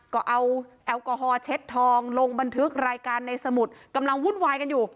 ก็เอาแอลกอฮอลเช็ดทองลงบันทึกรายการในสมุดกำลังวุ่นวายกันอยู่